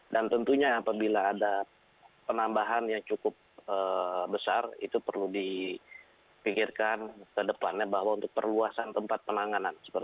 dan tentunya apabila ada penambahan yang cukup besar itu perlu dipikirkan ke depannya bahwa untuk perluasan tempat penanganan